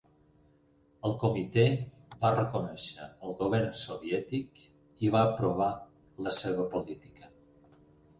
El comitè va reconèixer el govern soviètic i va aprovar la seva política.